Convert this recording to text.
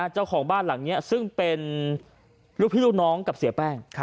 เจ้าของบ้านหลังนี้ซึ่งเป็นลูกพี่ลูกน้องกับเสียแป้ง